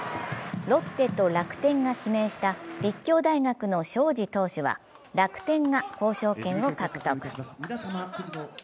ロッテと楽天が指名した立教大学の荘司投手は楽天が交渉権を獲得。